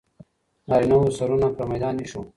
نارینه و سرونه پر میدان ایښي وو.